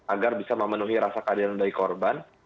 agar bisa memenuhi rasa keadilan dari korban